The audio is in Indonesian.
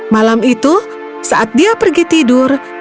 malam itu saat dia pergi tidur